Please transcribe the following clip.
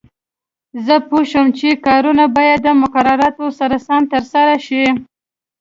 زه پوه شوم چې کارونه باید د مقرراتو سره سم ترسره شي.